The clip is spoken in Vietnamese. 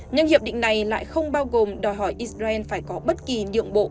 nhưng hiệp định này lại không bao gồm đòi hỏi israel phải có bất kỳ nhượng bộ